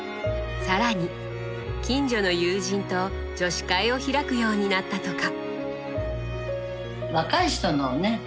更に近所の友人と女子会を開くようになったとか。